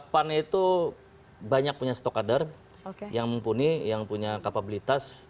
pan itu banyak punya stok kader yang mumpuni yang punya kapabilitas